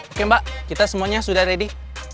oke mbak kita semuanya sudah ready